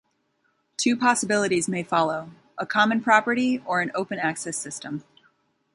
Two possibilities may follow: a common property or an open access system.